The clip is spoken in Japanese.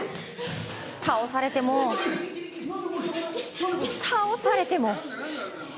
倒されても、倒されても。